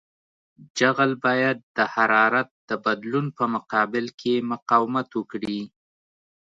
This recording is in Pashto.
جغل باید د حرارت د بدلون په مقابل کې مقاومت وکړي